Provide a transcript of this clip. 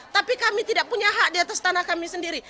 tapi kami tidak punya hak di atas tanah kami sendiri